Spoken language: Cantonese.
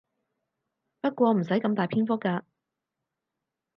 不過唔使咁大篇幅㗎